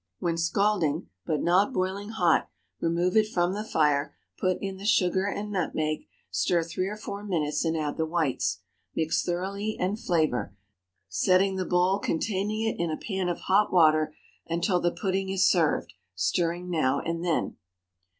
When scalding, but not boiling hot, remove it from the fire, put in the sugar and nutmeg; stir three or four minutes and add the whites. Mix thoroughly and flavor, setting the bowl containing it in a pan of hot water until the pudding is served, stirring now and then.